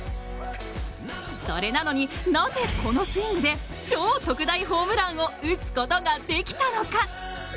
それなのに、なぜこのスイングで超特大ホームランを打つことができたのか？